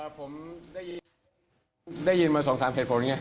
ผมได้ยินมา๒๓เหตุผลไง